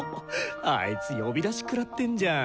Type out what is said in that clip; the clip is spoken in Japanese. あいつ呼び出しくらってんじゃん。